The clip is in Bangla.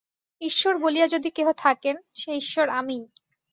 ঈশ্বর বলিয়া যদি কেহ থাকেন, সে ঈশ্বর আমিই।